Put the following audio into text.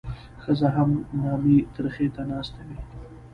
ښځه هم نامي ترخي ته ناسته وي.